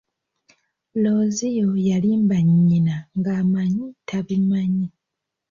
Looziyo yalimba nnyina ng'amanyi tabimanyi.